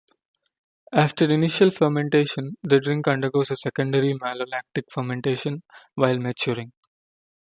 After initial fermentation, the drink undergoes a secondary malolactic fermentation while maturing.